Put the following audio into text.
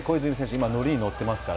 今乗りに乗ってますから。